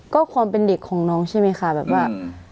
ก็ความเป็นเด็กของน้องใช่ไหมคะแบบว่า